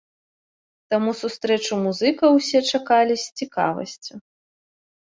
Таму сустрэчу музыкаў усе чакалі з цікавасцю.